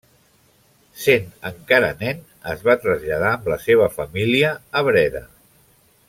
Sent encara nen es va traslladar amb la seva família a Breda.